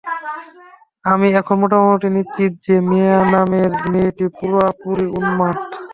আমি এখন মোটামুটি নিশ্চিত যে, মিয়া নামের মেয়েটি পুরোপুরি উন্মাদ।